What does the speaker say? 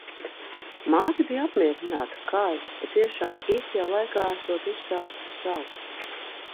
Māte bija apmierināta, kā es patiešām, īstajā laikā esot uzsācis savu.